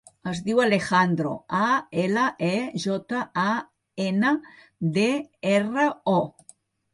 Es diu Alejandro: a, ela, e, jota, a, ena, de, erra, o.